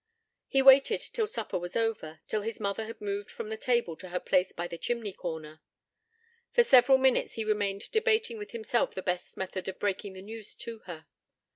He waited till supper was over, till his mother had moved from the table to her place by the chimney corner. For several minutes he remained debating with himself the best method of breaking the news to her.